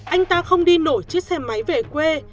anh ta không đi nổ chiếc xe máy về quê